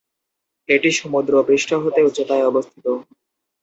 এটি সমুদ্র পৃষ্ঠ হতে উচ্চতায় অবস্থিত।